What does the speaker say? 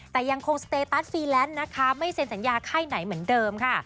แต่ยังคงสเตตัสฟรีแลนซ์นะคะไม่เซ็นสัญญาค่ายไหนเหมือนเดิมค่ะ